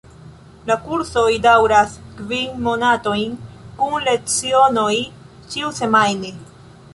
La kursoj daŭras kvin monatojn kun lecionoj ĉiusemajne.